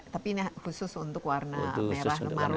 tapi ini khusus untuk warna merah kemaren